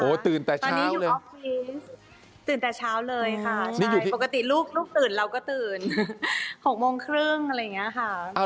ตื่นแต่เช้าตอนนี้อยู่ตื่นแต่เช้าเลยค่ะปกติลูกตื่นเราก็ตื่น๖โมงครึ่งอะไรอย่างนี้ค่ะ